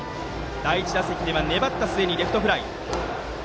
第１打席は粘った末にレフトフライ。